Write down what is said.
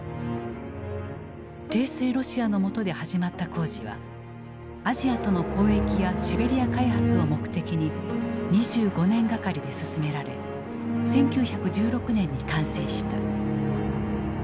帝政ロシアのもとで始まった工事はアジアとの交易やシベリア開発を目的に２５年がかりで進められ１９１６年に完成した。